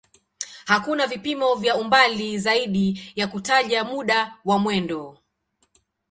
Hakuna vipimo vya umbali zaidi ya kutaja muda wa mwendo.